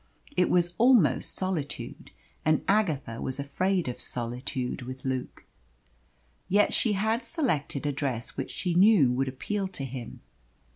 It was almost solitude and Agatha was afraid of solitude with Luke. Yet she had selected a dress which she knew would appeal to him.